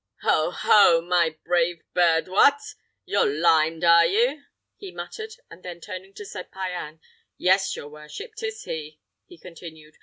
"Oh, ho! my brave bird, what! you're limed, are you?" he muttered; and then, turning to Sir Payan, "yes, your worship, 'tis he," he continued.